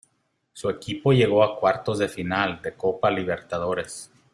Su equipo llegó a cuartos de final de Copa Libertadores.